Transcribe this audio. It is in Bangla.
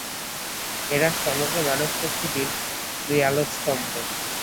এঁরা সমগ্র মানব-প্রকৃতির দুই আলোকস্তম্ভ।